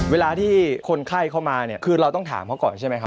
เวลาที่คนไข้เข้ามาเนี่ยคือเราต้องถามเขาก่อนใช่ไหมครับ